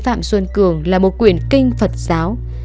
phạm xuân cường là một quyền kinh phật giáo